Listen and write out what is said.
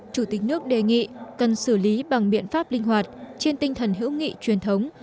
chủ tịch nước đề nghị cần xử lý bằng biện pháp linh hoạt trên tinh thần hữu nghị truyền thống